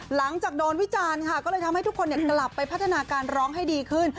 หลังจากโดนวิจารณ์ค่ะก็เลยทำให้ทุกคนกลับไปพัฒนาการร้องให้ดีขึ้น